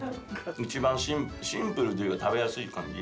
一番シンプルシンプルというか食べやすい感じ。